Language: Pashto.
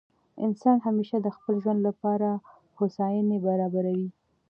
انسان همېشه د خپل ژوند له پاره هوسایني برابروي.